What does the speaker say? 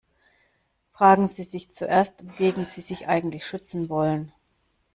Fragen Sie sich zuerst, wogegen Sie sich eigentlich schützen wollen.